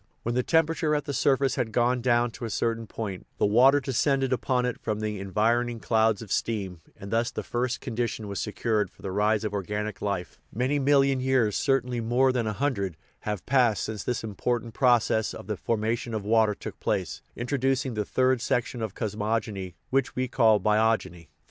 When the temperature at the surface had gone down to a certain point, the water de scended upon it from the environing clouds of steam, and thus the first condition was secured for the rise of organic life, Many million years certainly more 250 THE EVOLUTION OF THE WORLD than a hundred have passed since this important process of the formation of water took place, introducing the third section of cosmogony, which we call biogeny.